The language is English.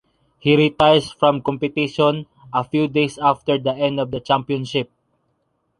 He retires from competition a few days after the end of the championship.